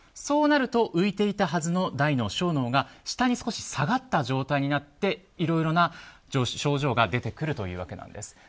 そうなると浮いていたはずの大脳、小脳が下に下がった状態になりいろいろな症状が出てくるというわけなんです。